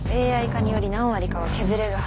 ＡＩ化により何割かは削れるはず。